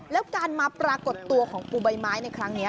แล้วการมาปรากฏตัวของปูใบไม้ในครั้งนี้